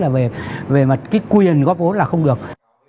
là về mặt cái quyền góp vốn là không được